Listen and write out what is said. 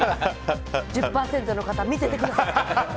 １０％の方、見ててください！